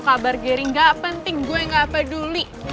kabar geri gak penting gue yang gak peduli